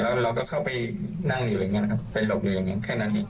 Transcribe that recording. แล้วเราก็เข้าไปนั่งอยู่อย่างนี้นะครับไปหลบอยู่อย่างนั้นแค่นั้นเอง